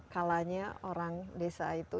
kalanya orang desa itu